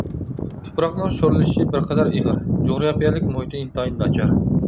تۇپراقنىڭ شورلىشىشى بىر قەدەر ئېغىر، جۇغراپىيەلىك مۇھىتى ئىنتايىن ناچار.